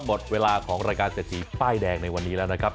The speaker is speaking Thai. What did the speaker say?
หมดเวลาของรายการเศรษฐีป้ายแดงในวันนี้แล้วนะครับ